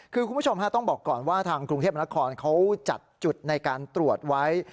คือคุณผู้ชมต้องบอกก่อนว่าทางกรุงเทพมนครเขาจัดจุดในการตรวจไว้